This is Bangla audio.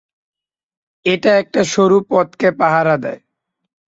এটা একটা সরু পথকে পাহারা দেয়।